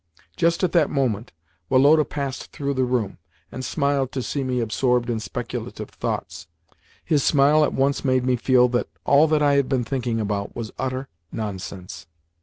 Just at that moment, Woloda passed through the room, and smiled to see me absorbed in speculative thoughts. His smile at once made me feel that all that I had been thinking about was utter nonsense.